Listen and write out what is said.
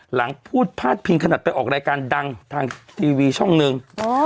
หลังพูดพาดพิงขนาดไปออกรายการดังทางทีวีช่องหนึ่ง